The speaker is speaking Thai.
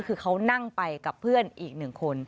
คือเขานั่งไปกับเพื่อนอีกหนึ่งคน